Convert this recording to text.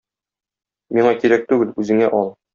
Миңа кирәк түгел, үзеңә ал.